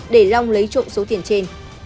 để long lấy trộm số tiền trên